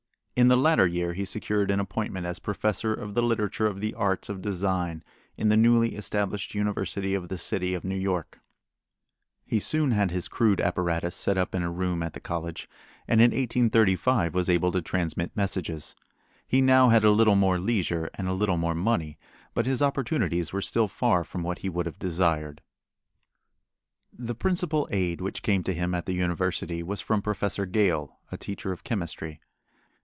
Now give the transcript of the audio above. In the latter year he secured an appointment as professor of the literature of the arts of design in the newly established University of the City of New York. He soon had his crude apparatus set up in a room at the college and in 1835 was able to transmit messages. He now had a little more leisure and a little more money, but his opportunities were still far from what he would have desired. The principal aid which came to him at the university was from Professor Gale, a teacher of chemistry.